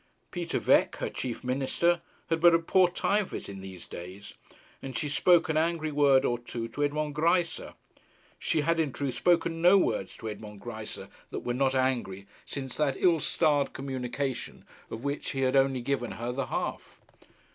Peter Veque, her chief minister, had but a poor time of it in these days; and she spoke an angry word or two to Edmond Greisse. She had, in truth, spoken no words to Edmond Greisse that were not angry since that ill starred communication of which he had only given her the half.